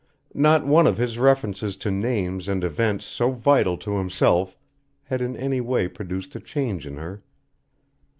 Not one of his references to names and events so vital to himself had in any way produced a change in her.